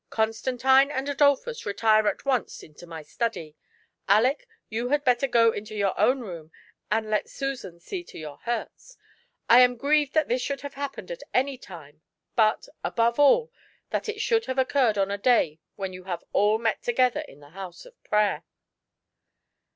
Constantine and Adolphus, retire at once into my study. Aleck, you had better go into your own room, and let Susan see to your huiis. I am grieved that this should have happened at any time, but, above all, that it should have occurred on a day when you have all met together in the house of prayer."